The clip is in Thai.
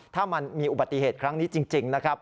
ถ้ามันมีอุบัติเหตุครั้งนี้จริงนะครับ